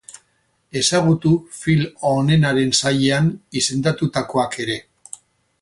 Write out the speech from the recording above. Ezagutu film onenaren sailean izendatutakoak ere.